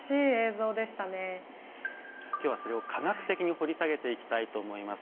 今日はそれを科学的に掘り下げていきたいと思います。